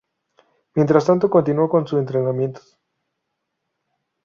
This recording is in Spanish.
Mientras tanto continuó con sus entrenamientos.